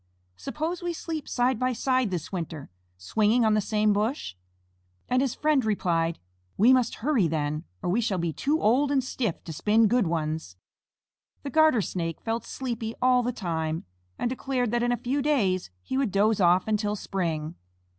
Suppose we sleep side by side this winter, swinging on the same bush?" And his friend replied: "We must hurry then, or we shall be too old and stiff to spin good ones." The Garter Snake felt sleepy all the time, and declared that in a few days he would doze off until spring.